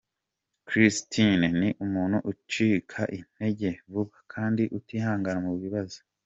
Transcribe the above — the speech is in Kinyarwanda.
Christine ni umuntu ucika intege vuba kandi utihangana mu bibazo.